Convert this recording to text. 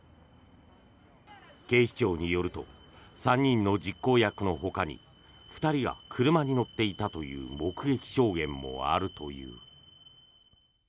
警視庁によると３人の実行役のほかに２人が車に乗っていたという目撃証言もあるという。